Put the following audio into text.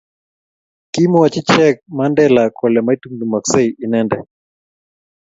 kimwochi cheke Mandela kole maitumtumoksei inende